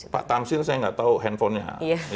pak tamsir saya nggak tahu handphonenya